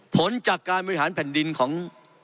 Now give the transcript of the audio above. ผลจากการบริหารแผ่นดินของ